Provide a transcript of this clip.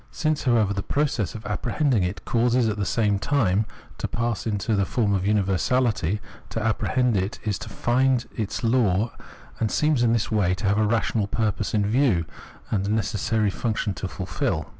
Since, however, the process of apprehending it causes it at the same time to pass into the form of universahty, to apprehend it is to find its law, and seems in this way to have a rational purpose in view, and a necessary function to fulfil.